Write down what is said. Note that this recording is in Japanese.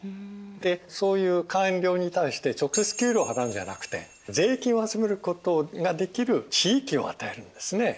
でそういう官僚に対して直接給料を払うんじゃなくて税金を集めることができる地域を与えるんですね。